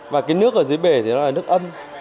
và cái nước ở dưới bể thì nó là nước âm